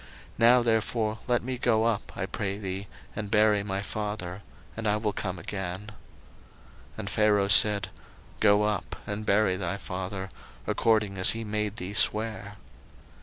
Now therefore let me go up, I pray thee, and bury my father, and I will come again. 01:050:006 And Pharaoh said, Go up, and bury thy father, according as he made thee swear.